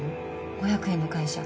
５００円の会社。